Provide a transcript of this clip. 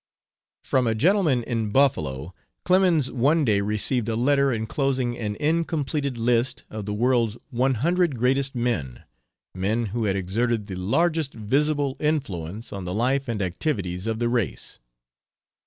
From a gentleman in Buffalo Clemens one day received a letter inclosing an incompleted list of the world's "One Hundred Greatest Men," men who had exerted "the largest visible influence on the life and activities of the race."